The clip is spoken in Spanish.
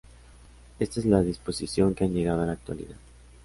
Esta es la disposición que ha llegado a la actualidad.